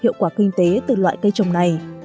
hiệu quả kinh tế từ loại cây trồng này